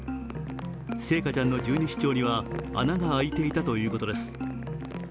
星華ちゃんの十二指腸には穴が開いていたということです。